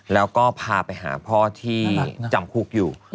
แล้วก็พาไปหาพ่อที่จำคุกอยู่